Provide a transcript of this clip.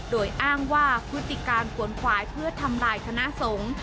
โดยอ้างว่าพฤติการกวนขวายเพื่อทำลายคณะสงฆ์